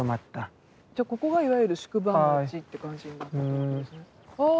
じゃここがいわゆる宿場街って感じになってたわけですね。